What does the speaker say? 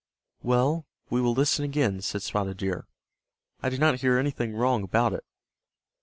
"Well, we will listen again," said Spotted Deer. "I did not hear anything wrong about it."